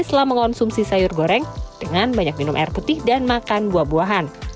setelah mengonsumsi sayur goreng dengan banyak minum air putih dan makan buah buahan